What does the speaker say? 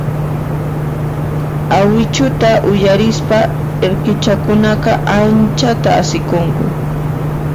Awichuta uyarispa irqichakunaqa anchata asikunku.